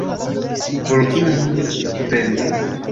Por ilin vendi?